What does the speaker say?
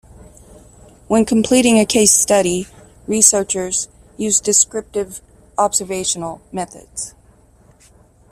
When completing a case study, researchers use descriptive observational methods.